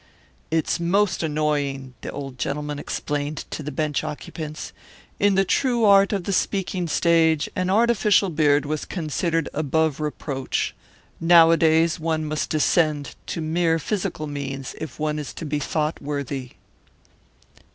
"It's most annoying," the old gentleman explained to the bench occupants. "In the true art of the speaking stage an artificial beard was considered above reproach. Nowadays one must descend to mere physical means if one is to be thought worthy."